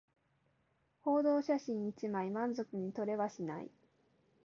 報道写真一枚満足に撮れはしない